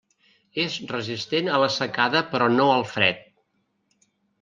És resistent a la secada però no al fred.